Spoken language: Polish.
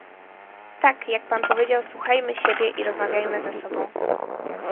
Tak, jak pan powiedział słuchajmy siebie i rozmawiajmy ze sobą